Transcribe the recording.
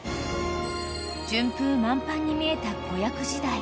［順風満帆に見えた子役時代］